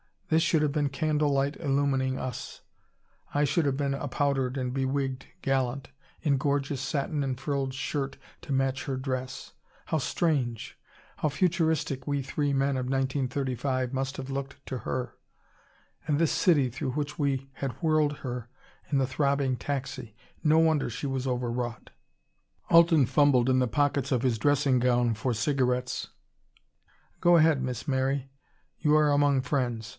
This should have been candle light illumining us; I should have been a powdered and bewigged gallant, in gorgeous satin and frilled shirt to match her dress. How strange, how futuristic we three men of 1935 must have looked to her! And this city through which we had whirled her in the throbbing taxi no wonder she was overwrought. Alten fumbled in the pockets of his dressing gown for cigarettes. "Go ahead, Miss Mary. You are among friends.